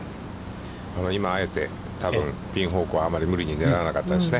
今あえて多分、ピン方向、あまり無理に狙わなかったですね。